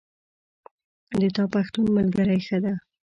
د تا پښتون ملګری ښه ده